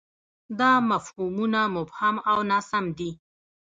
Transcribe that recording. دا مفهومونه مبهم او ناسم دي.